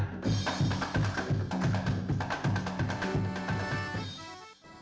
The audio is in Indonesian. tari tidayu dianggap sebagai simbol kerukunan antar etnis di kalimantan barat